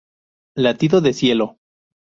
Latido de Cielo.